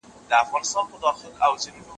تدبیر کول د کورنۍ د امنیت لپاره د پلار کار دی.